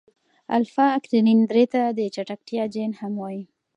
الفا اکتینین درې ته د چټکتیا جین هم وايي.